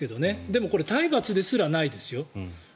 でもこれ体罰ですらないですよ。